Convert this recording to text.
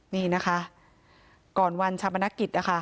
นี่นะคะก่อนวันชาปนกิจนะคะ